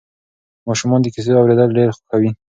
ماشومان د کیسو اورېدل ډېر خوښوي.